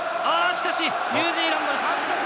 しかし、ニュージーランドに反則。